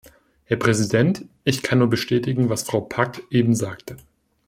Herr Präsident, ich kann nur bestätigen, was Frau Pack eben sagte.